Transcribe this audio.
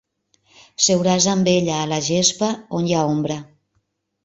Seuràs amb ella a la gespa on hi ha ombra.